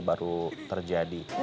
ini baru terjadi